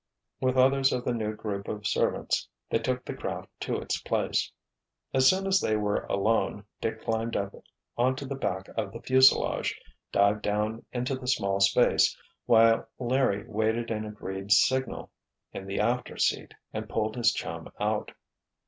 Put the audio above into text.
With others of the new group of servants they took the craft to its place. As soon as they were alone, Dick climbed up onto the back of the fuselage, dived down into the small space, while Larry waited an agreed signal, in the after seat, and pulled his chum out.